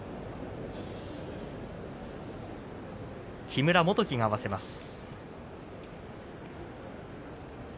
木村元基が合わせます。